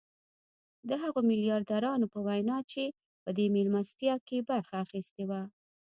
د هغو ميلياردرانو په وينا چې په دې مېلمستيا کې يې برخه اخيستې وه.